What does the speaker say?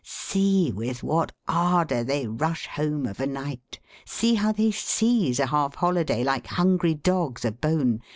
See with what ardour they rush home of a night! See how they seize a half holiday, like hungry dogs a bone!